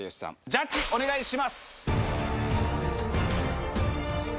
ジャッジお願いします。